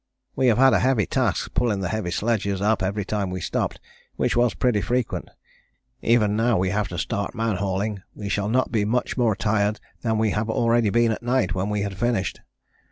We have had a heavy task pulling the heavy sledges up every time we stopped, which was pretty frequent, even now we have to start man hauling we shall not be much more tired than we have already been at night when we had finished.